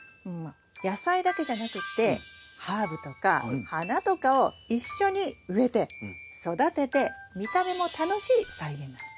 野菜だけじゃなくってハーブとか花とかを一緒に植えて育てて見た目も楽しい菜園なの。